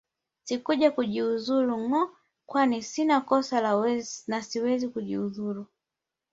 Sikuja kujiuzulu ngo kwani sina kosa na siwezi kujiuzulu